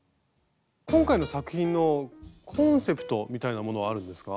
今回の作品のコンセプトみたいなものはあるんですか？